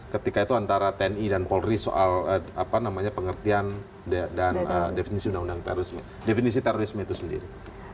ketika itu antara tni dan polri soal pengertian dan definisi terorisme itu sendiri